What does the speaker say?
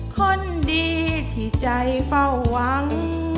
คนดีที่ใจเฝ้าหวัง